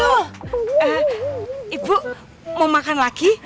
oh ibu mau makan lagi